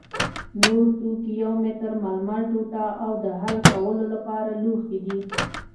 نور توکي یو متر ململ ټوټه او د حل کولو لپاره لوښي دي.